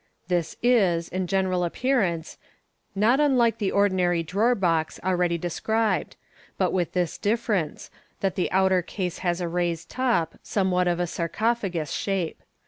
— This is, in general appearance, ixot unlike the ordinary drawer box already described, but with this difference, that the outer case has a raised top, somewhat of a sarcophagus shape.